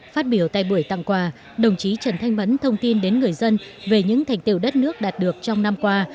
phát biểu tại buổi tặng quà đồng chí trần thanh mẫn thông tin đến người dân về những thành tiệu đất nước đạt được trong năm qua